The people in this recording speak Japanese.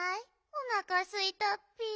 おなかすいたッピ。